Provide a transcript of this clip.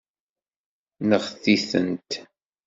Seɣtit-tent.